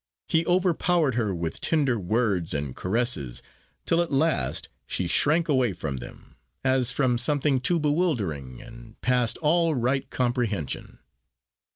He overpowered her with tender words and caresses, till at last she shrank away from them, as from something too bewildering, and past all right comprehension.